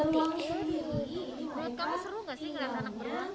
menurut kamu seru gak sih ngeliat anak buah